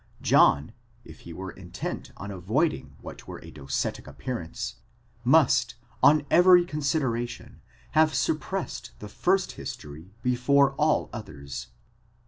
John, if he were intent on avoiding what avore a docetic appearance, must on every consideration have suppressed the first history before all others.